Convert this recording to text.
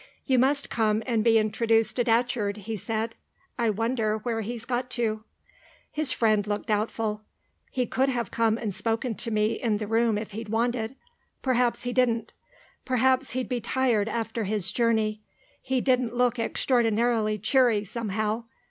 "You must come and be introduced to Datcherd," he said. "I wonder where he's got to." His friend looked doubtful. "He could have come and spoken to me in the room if he'd wanted. Perhaps he didn't. Perhaps he'd be tired after his journey. He didn't look extraordinarily cheery, somehow.